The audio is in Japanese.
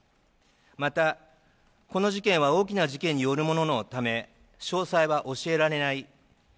また、この事件は大きな事件によるもののため詳細は教えられない。